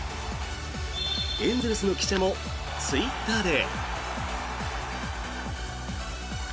エンゼルスの記者もツイッターで。